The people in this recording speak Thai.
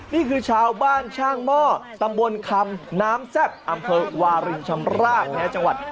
นี่ได้ยินเสียงไหม